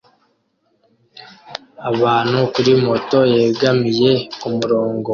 Umuntu kuri moto yegamiye kumurongo